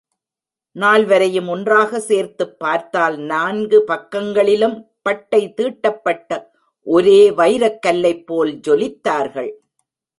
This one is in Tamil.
நால்வரையும் ஒன்றாக சேர்த்துப் பார்த்தால் நான்கு பக்கங்களிலும் பட்டைத் தீட்டப்பட்ட ஒரே வைரக் கல்லைப்போல ஜொலித்தார்கள்.